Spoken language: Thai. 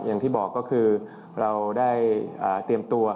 อย่างที่บอกก็คือเราได้เตรียมตัว